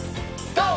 ＧＯ！